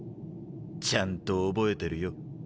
ちゃんと覚えてるよ。